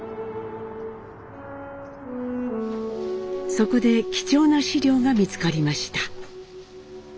そこで貴重な資料が見つかりました。